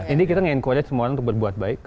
ini kita nge encourage semua orang untuk berbuat baik